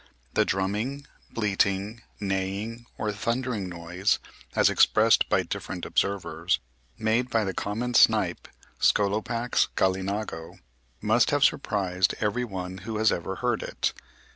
The drumming, bleating, neighing, or thundering noise (as expressed by different observers) made by the common snipe (Scolopax gallinago) must have surprised every one who has ever heard it.